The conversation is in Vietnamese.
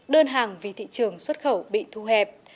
đơn hàng vì thị trường xuất khẩu bị thu hẹp